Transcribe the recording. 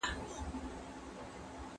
مرييان او مينځې بايد له بنده ګۍ څخه ازاد سي.